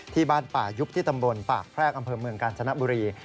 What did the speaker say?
ที่บ้านป่ายุบที่ตำบลปากแพรกอำเภอเมืองกาญจนบุรี